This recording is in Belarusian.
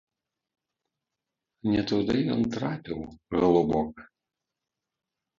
Не туды ён трапіў, галубок!